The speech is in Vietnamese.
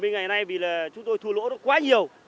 bảy mươi ngày nay vì là chúng tôi thua lỗ nó quá nhiều